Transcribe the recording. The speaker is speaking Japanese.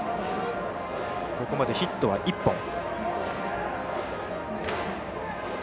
ここまでヒットは１本。